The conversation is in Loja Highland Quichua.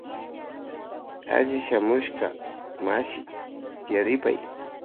Alli shamushka mashi tiaripay.